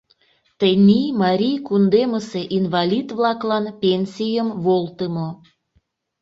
Тений Марий кундемысе инвалид-влаклан пенсийым волтымо.